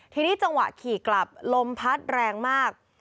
ทีนี้จังหวะขี่กลับลมพัดแรงมาก